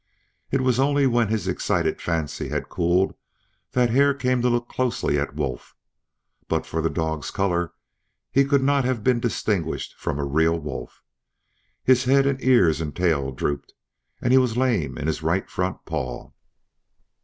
It was only when his excited fancy had cooled that Hare came to look closely at Wolf. But for the dog's color he could not have been distinguished from a real wolf. His head and ears and tail drooped, and he was lame in his right front paw.